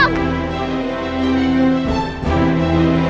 kamu gak sendirian kok